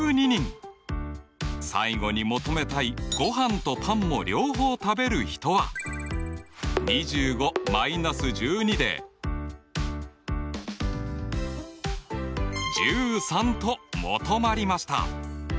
最後に求めたいごはんとパンも両方食べる人は２５−１２で１３と求まりました。